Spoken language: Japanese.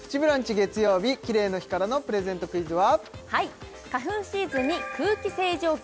月曜日キレイの日からのプレゼントクイズは？